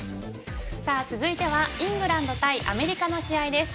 続いてはイングランド対アメリカの試合です。